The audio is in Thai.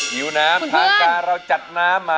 ผิวน้ำทางการเราจัดน้ำมา